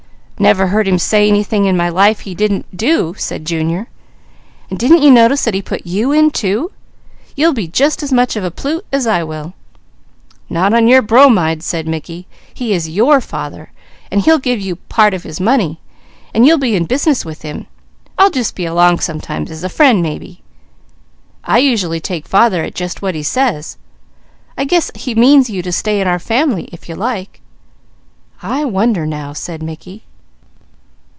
"Never heard him say anything in my life he didn't do," said Junior, "and didn't you notice that he put you in too? You'll be just as much of a plute as I will." "Not on your bromide," said Mickey. "He is your father, and you'll be in business with him; I'll just be along sometimes, as a friend, maybe." "I usually take father at just what he says. I guess he means you to stay in our family, if you like." "I wonder now!" said Mickey.